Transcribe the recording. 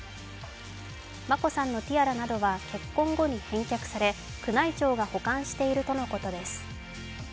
眞子さんのティアラなどは結婚後に返却され宮内庁が保管しているとのことです。